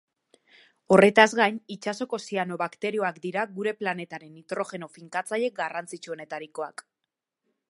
Horretaz gain, itsasoko zianobakterioak dira gure planetaren nitrogeno-finkatzaile garrantzitsuenetarikoak.